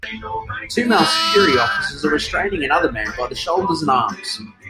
Two male security officers are restraining another man by the shoulders and arms.